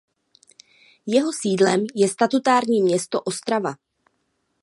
Jeho sídlem je statutární město Ostrava.